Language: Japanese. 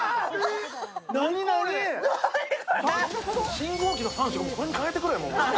信号機の３色、これに変えてくれ。